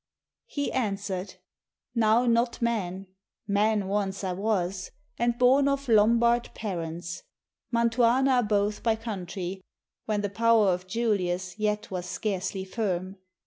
He answer'd: "Now not man, man once I was, And born of Lombard parents, Mantuana both By country, when the power of Julius yet Was scarcely firm.